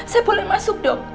saya boleh masuk dok